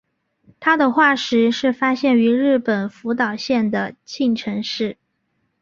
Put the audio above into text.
它的化石是发现于日本福岛县的磐城市。